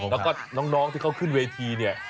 แล้วก็น้องที่เขาขึ้นเวทีเนี่ย